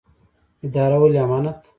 اداره ولې امانت ده؟